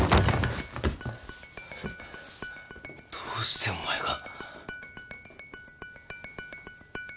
どうしてお前が